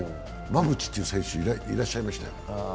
馬淵という選手いらっしゃいましたよ。